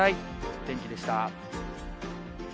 お天気でした。